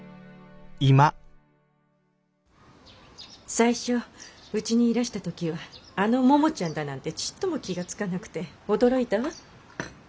最初うちにいらした時はあのももちゃんだなんてちっとも気が付かなくて驚いたわ。